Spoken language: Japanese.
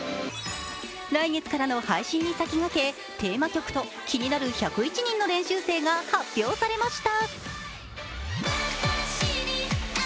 来月からの配信に先駆け、テーマ曲と気になる１０１人の練習生が発表されました。